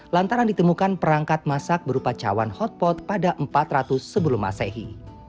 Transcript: lantaran ditemukan perangkat masak berupa cawan hotpot pada empat ratus sebelum masehi